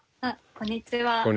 こんにちは。